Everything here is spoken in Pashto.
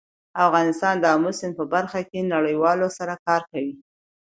افغانستان د آمو سیند په برخه کې نړیوالو سره کار کوي.